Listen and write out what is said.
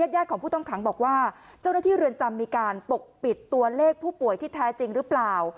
ญาติของผู้ต้องขังบอกว่าเจ้าหน้าที่เรือนจำมีการปกปิดตัวเลขผู้ป่วยที่แท้จริงหรือเปล่า